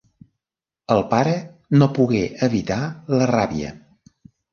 El pare no pogué evitar la ràbia.